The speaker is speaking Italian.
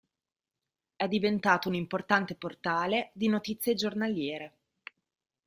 È diventato un importante portale di notizie giornaliere.